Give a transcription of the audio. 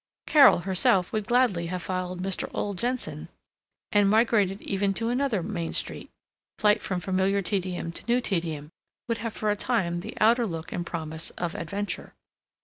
Carol herself would gladly have followed Mr. Ole Jenson, and migrated even to another Main Street; flight from familiar tedium to new tedium would have for a time the outer look and promise of adventure.